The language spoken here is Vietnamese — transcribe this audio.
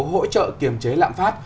hỗ trợ kiềm chế lạm phát